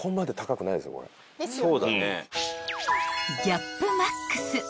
［ギャップマックス］